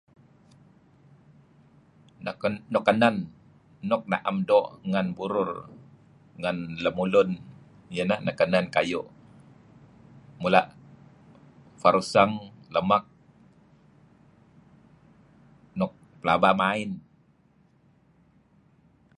Nuk kanen. Nuk naem doo' ngen burur ngen lemulun iyeh ineh nukanen nuk kayu' mula' faruseng lemak, nuk pelaba main.